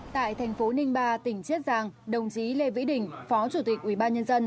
tại thành phố ninh ba tỉnh chiết giang đồng chí lê vĩ đình phó chủ tịch ubnd